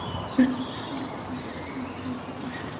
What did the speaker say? জটিল সংখ্যা আবিষ্কার হয় কত সালে?